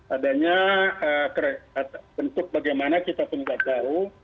adanya bentuk bagaimana kita pindah tahu